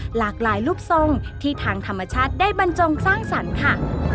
หลากหลายรูปทรงที่ทางธรรมชาติได้บรรจงสร้างสรรค์ค่ะ